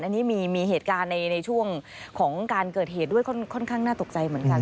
อันนี้มีเหตุการณ์ในช่วงของการเกิดเหตุด้วยค่อนข้างน่าตกใจเหมือนกัน